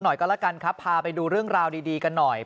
หน่อยก็แล้วกันครับพาไปดูเรื่องราวดีกันหน่อย